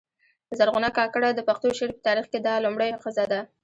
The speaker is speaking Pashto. زرغونه کاکړه د پښتو شعر په تاریخ کښي دا لومړۍ ښځه ده.